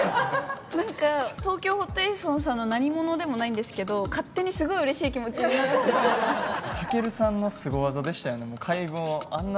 東京ホテイソンさんの何者でもないんですけど勝手にすごいうれしい気持ちになってしまいました。